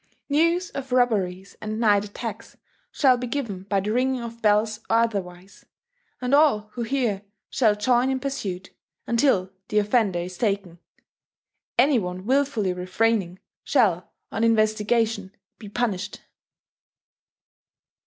"News of robberies and night attacks shall be given by the ringing of bells or otherwise; and all who hear shall join in pursuit, until the offender is taken. Any one wilfully refraining, shall, on investigation, be punished."